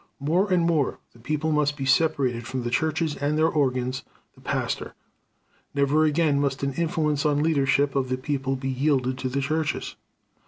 . More and more the people must be separated from the churches and their organs, the pastor .... Never again must an influence on leadership of the people be yielded to the churches.